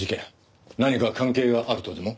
何か関係があるとでも？